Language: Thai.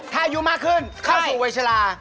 ถ้าอายุมากขึ้นเข้าสู่วัยชะลา